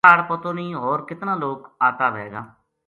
کاہڈ پتو نیہہ ہور کِتنا لوک آتا وھے گا